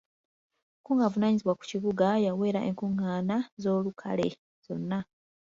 Omukungu avunaanyizibwa ku kibuga yawera enkungaana z'olukale zonna.